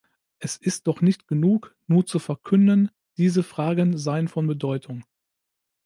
Es ist doch nicht genug, nur zu verkünden, diese Fragen seien von Bedeutung.